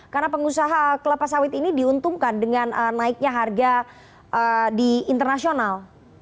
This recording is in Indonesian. karena pengusaha kelapa sawit ini diuntungkan dengan naiknya harga di internasional